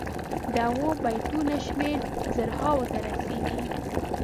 د هغو بیتونو شمېر زرهاوو ته رسيږي.